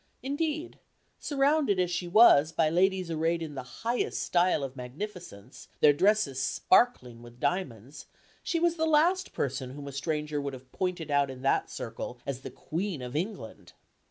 Indeed, surrounded as she was by ladies arrayed in the highest style of magnificence, their dresses sparkling with diamonds, she was the last person whom a stranger would have pointed out in that circle as the Queen of England.